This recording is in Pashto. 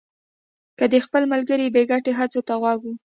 هغه د خپل ملګري بې ګټې هڅو ته غوږ و